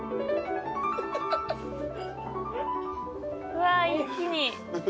うわ一気に！